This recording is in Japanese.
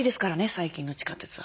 最近の地下鉄は。